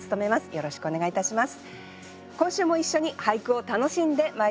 よろしくお願いします。